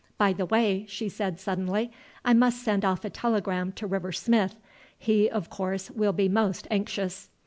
By the way," he said suddenly, "I must send off a telegram to River Smith; he, of course, will be most anxious."